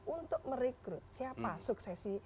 untuk merekrut siapa suksesi